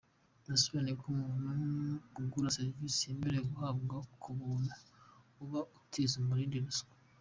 Yasobanuye ko umuntu ugura serivisi yemerewe guhabwa ku buntu aba atiza umurindi ruswa.